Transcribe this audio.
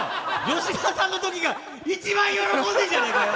吉田さんの時が一番喜んでんじゃねえかよ！